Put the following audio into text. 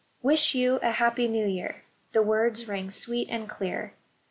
WISH you a Happy New Year," — the words rang sweet and clear.